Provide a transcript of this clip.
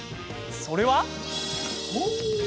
それは。